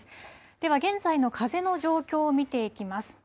では現在の風の状況を見ていきます。